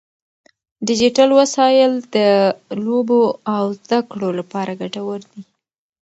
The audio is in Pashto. ډیجیټل وسایل د لوبو او زده کړو لپاره ګټور دي.